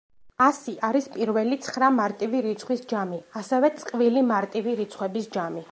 ასი არის პირველი ცხრა მარტივი რიცხვის ჯამი, ასევე წყვილი მარტივი რიცხვების ჯამი.